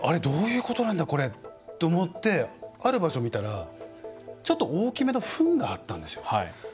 どういうことなんだこれ？って思ってある場所を見たらちょっと大きめのふんがあったんですよ。